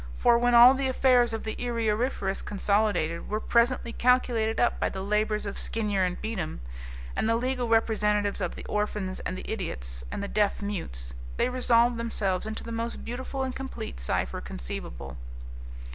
For when all the affairs of the Erie Auriferous Consolidated were presently calculated up by the labours of Skinyer and Beatem and the legal representatives of the Orphans and the Idiots and the Deaf mutes they resolved themselves into the most beautiful and complete cipher conceivable.